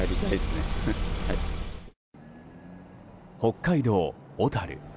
北海道小樽。